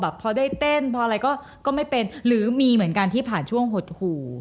พอได้เต้นพออะไรก็ไม่เป็นหรือมีเหมือนกันที่ผ่านช่วงหดหู่